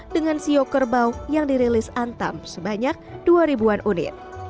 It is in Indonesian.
dengan siok kerbau yang dirilis antam sebanyak dua ribu an unit